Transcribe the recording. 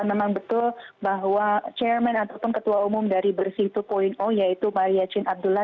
memang betul bahwa ketua umum dari bersih dua yaitu maria chin abdullah